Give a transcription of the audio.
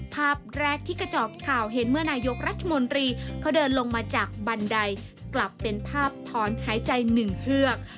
ภาพแรกที่กระจอกข่าวเห็นเมื่อนายกรัฐมนตรีเขาเดินลงมาจากบันไดกลับเป็นภาพถอนหายใจหนึ่งเฮือก